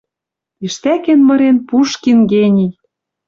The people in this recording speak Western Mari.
Тиштӓкен мырен Пушкин гений